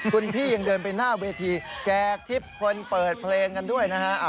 คุณพี่ยังเดินไปหน้าเวทีแจกทิพย์คนเปิดเพลงกันด้วยนะฮะ